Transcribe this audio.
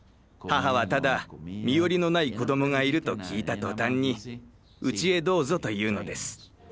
母はただ身寄りのない子どもがいると聞いた途端に「うちへどうぞ」と言うのです。